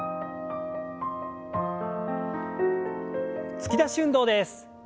突き出し運動です。